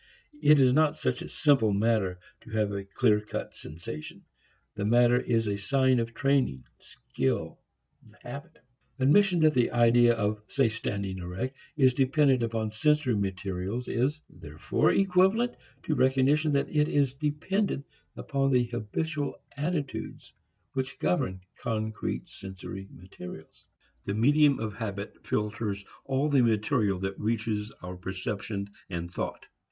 It is not such a simple matter to have a clear cut sensation. The latter is a sign of training, skill, habit. Admission that the idea of, say, standing erect is dependent upon sensory materials is, therefore equivalent to recognition that it is dependent upon the habitual attitudes which govern concrete sensory materials. The medium of habit filters all the material that reaches our perception and thought.